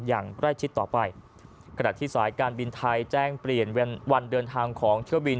อย่างใกล้ชิดต่อไปขณะที่สายการบินไทยแจ้งเปลี่ยนวันเดินทางของเที่ยวบิน